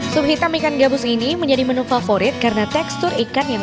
sup hitam ikan gabus ini menjadi menu favorit karena tekstur ini sangat menarik